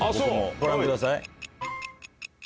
ご覧ください。